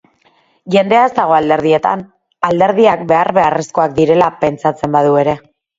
Jendea ez dago alderdietan, alderdiak behar-beharrezkoak direla pentsatzen badu ere.